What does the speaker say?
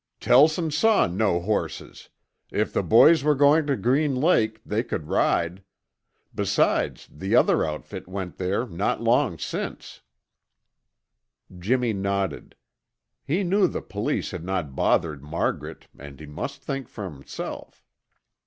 "Tellson saw no horses. If the boys were going to Green Lake, they could ride. Besides, the other outfit went there not long since." Jimmy nodded. He knew the police had not bothered Margaret and he must think for himself.